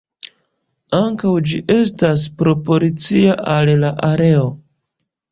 Ankaŭ ĝi estas proporcia al la areo.